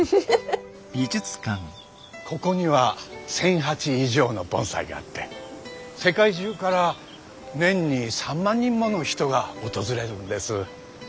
ここには１，０００鉢以上の盆栽があって世界中から年に３万人もの人が訪れるんです。